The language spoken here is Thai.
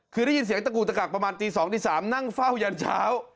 คือได้ยินเสียงตะกูตะกักประมาณตี๒ตี๓นั่งเฝ้ายันเช้า